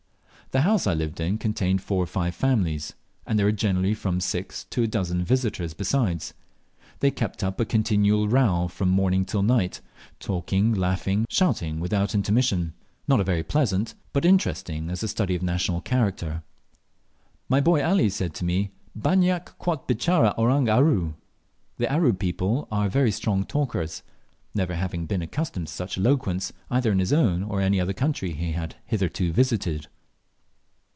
The house I lived in contained four or five families, and there were generally from six to a dozen visitors besides. They kept up a continual row from morning till night talking, laughing, shouting, without intermission not very pleasant, but interesting as a study of national character. My boy Ali said to me, "Banyak quot bitchara Orang Aru" (The Aru people are very strong talkers), never having been accustomed to such eloquence either in his own or any other country he had hitherto visited.